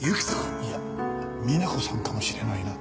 いやみな子さんかもしれないな。